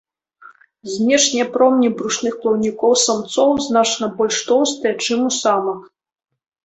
Знешнія промні брушных плаўнікоў самцоў значна больш тоўстыя, чым у самак.